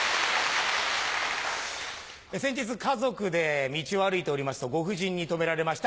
先日家族で道を歩いておりますとご婦人に止められまして。